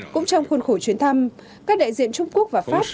cũng trong khuôn khổ chuyến thăm các đại diện trung quốc và pháp